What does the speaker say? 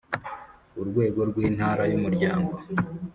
urwego rw Intara y Umuryango